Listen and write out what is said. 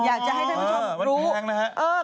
อยากจะให้ท่านผู้ชมรู้